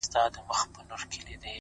وي د غم اوږدې كوڅې په خاموشۍ كي.!